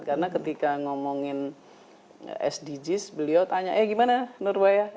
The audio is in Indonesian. karena ketika ngomongin sdgs beliau tanya eh gimana nurwaya